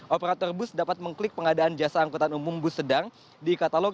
operator bus dapat mengklik pengadaan jasa angkutan umum bus sedang di katalog